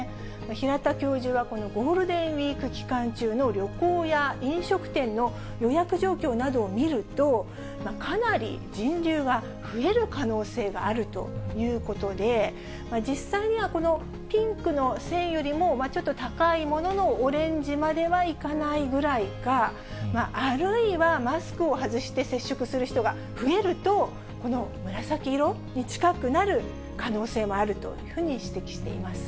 平田教授はこのゴールデンウィーク期間中の旅行や飲食店の予約状況などを見ると、かなり人流が増える可能性があるということで、実際にはこのピンクの線よりもちょっと高いものの、オレンジまではいかないぐらいか、あるいはマスクを外して接触する人が増えると、この紫色に近くなる可能性もあるというふうに指摘しています。